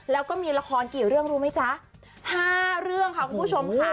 แล้วก็มีละครกี่เรื่องรู้ไหมจ๊ะ๕เรื่องค่ะคุณผู้ชมค่ะ